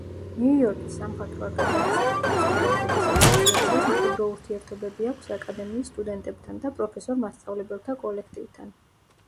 ნიუ-იორკის სამხატვრო აკადემიის ყოფილი სტუდენტების ასოციაციას მჭიდრო ურთიერთობები აქვს აკადემიის სტუდენტებთან და პროფესორ-მასწავლებელთა კოლექტივთან.